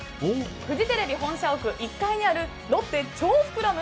フジテレビ本社屋１階にあるロッテ超ふくらむ！？